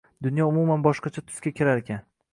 dunyo umuman boshqacha tusga kirarkan.